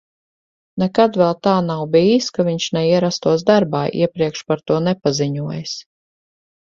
Nekad vēl tā nav bijis, ka viņš neierastos darbā, iepriekš par to nepaziņojis.